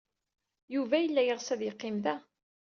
Yuba yella yeɣs ad yeqqim da.